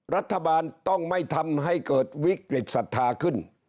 รัฐบาลต้องไม่ทำให้เกิดวิกฤตศรัทธาขึ้น